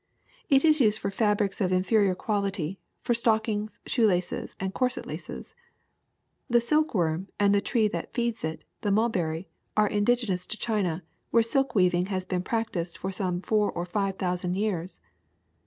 It is used for fabrics of inferior quality, for stockings, shoe laces, and corset laces. ^^ The silkworm and the tree that feeds it, the mul berry, are indigenous to China, where silk weaving has been practised for some four or five thousand years.